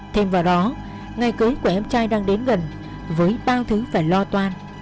thêm vào đó ngày cưới của em trai đang đến gần với bao thứ phải lo toan